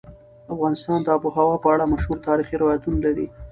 افغانستان د آب وهوا په اړه مشهور تاریخي روایتونه لري.